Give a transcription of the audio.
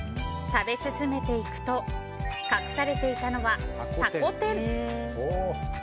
食べ進めていくと隠されていたのはタコ天。